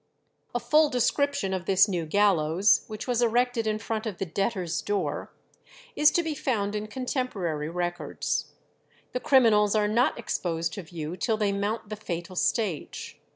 A full description of this new gallows, which was erected in front of the debtors' door, is to be found in contemporary records. "The criminals are not exposed to view till they mount the fatal stage.